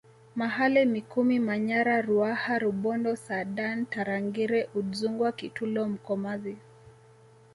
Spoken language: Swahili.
Mahale Mikumi Manyara Ruaha Rubondo saadan Tarangire Udzungwa Kitulo Mkomazi